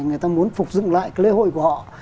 người ta muốn phục dựng lại cái lễ hội của họ